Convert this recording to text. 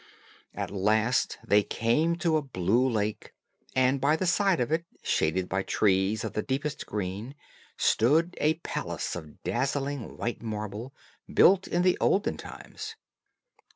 At last they came to a blue lake, and by the side of it, shaded by trees of the deepest green, stood a palace of dazzling white marble, built in the olden times.